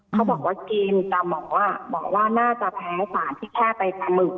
เขาบอกว่ากินแต่หมอบอกว่าน่าจะแพ้สารที่แค่ไปปลาหมึก